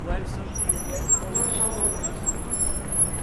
Non soubo máis.